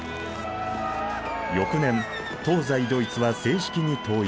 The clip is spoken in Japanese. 翌年東西ドイツは正式に統一。